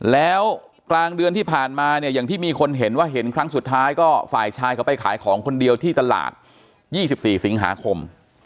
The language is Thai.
แล้วกลางเดือนที่ผ่านมาเนี่ยอย่างที่มีคนเห็นว่าเห็นครั้งสุดท้ายก็ฝ่ายชายเขาไปขายของคนเดียวที่ตลาด๒๔สิงหาคม